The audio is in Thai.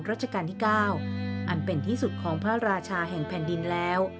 ราชการที่๙อันเป็นที่สุดของพระราชาแห่งแผ่นดินแล้ว